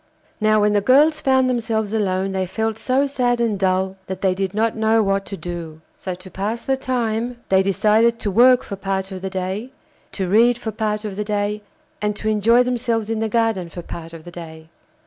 Now when the girls found themselves alone they felt so sad and dull that they did not know what to do. So, to pass the time, they decided to work for part of the day, to read for part of the day, and to enjoy themselves in the garden for part of the day.